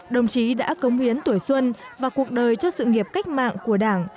đồng chí đã cống hiến tuổi xuân và cuộc đời cho sự nghiệp cách mạng của đảng